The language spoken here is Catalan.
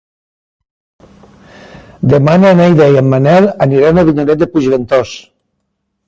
Demà na Neida i en Manel aniran a Avinyonet de Puigventós.